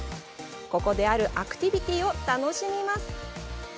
ここであるアクティビティを楽しみます。